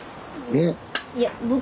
えっ？